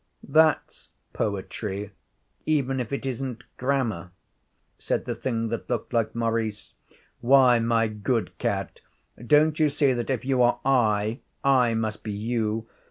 'That's poetry, even if it isn't grammar,' said the thing that looked like Maurice. 'Why, my good cat, don't you see that if you are I, I must be you?